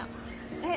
え？